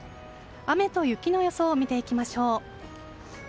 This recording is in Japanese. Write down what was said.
雨と雪の予想を見ていきましょう。